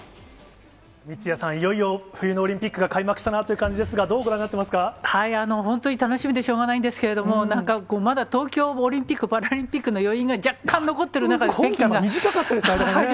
三屋さん、いよいよ冬のオリンピックが開幕したなという感じですが、どうご本当に楽しみでしょうがないんですけれども、まだ東京オリンピック・パラリンピックの余韻が、若干残ってる中短かったですからね。